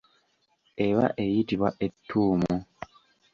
Eba eyitibwa ettuumu.